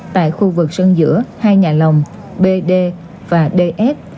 tại khu vực sân giữa hai nhà lòng bd và df